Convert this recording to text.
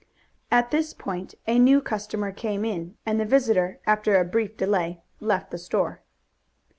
At this point a new customer came in and the visitor, after a brief delay, left the store.